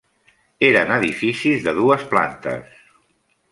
Eren edificis de dues plantes.